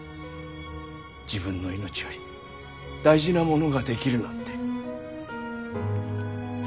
自分の命より大事なものができるなんて。